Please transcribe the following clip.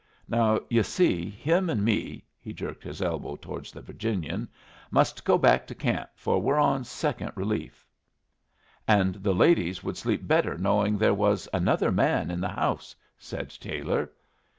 Now, yu' see, him and me" (he jerked his elbow towards the Virginian) "must go back to camp, for we're on second relief." "And the ladies would sleep better knowing there was another man in the house," said Taylor.